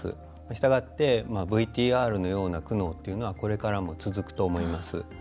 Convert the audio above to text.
したがって、ＶＴＲのような苦悩っていうのはこれからも続くと思います。